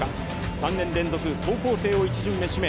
３年連続高校生を１巡目指名。